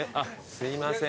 すいません。